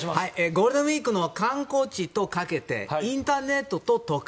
ゴールデンウィークの観光地とかけてインターネットととく。